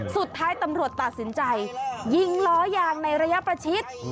สุดท้ายตำรวจตัดสินใจยิงล้อยางในระยะประชิด